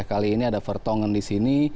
kali ini ada fertongan di sini